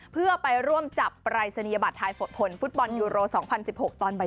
เพื่อไปร่วมจับปรายศนียบัตรทายผลฟุตบอลยูโร๒๐๑๖ตอนบ่าย